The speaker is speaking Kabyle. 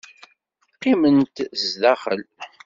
Qqimemt zdaxel.